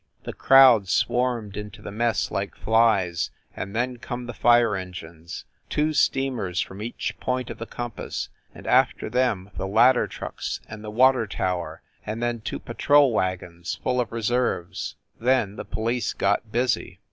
The crowd swarmed into the mess like flies and then come the fire en gines two steamers from each point of the com pass, and after them the ladder trucks and the water tower and then two patrol wagons full of reserves. Then the police got busy.